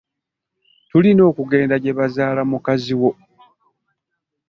Tulina okugenda gye bazaala mukazi wo.